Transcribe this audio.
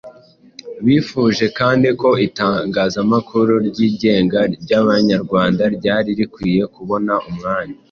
bifuje kandi ko itangazamakuru ryigenga ry' Abanyarwanda ryari rikwiye kubona umwanya.